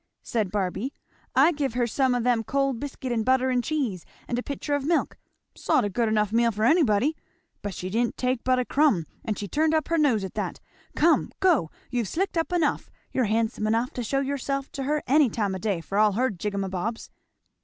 said Barby; "I give her some o' them cold biscuit and butter and cheese and a pitcher of milk sot a good enough meal for anybody but she didn't take but a crumb, and she turned up her nose at that. Come, go! you've slicked up enough you're handsome enough to shew yourself to her any time o' day, for all her jig em bobs."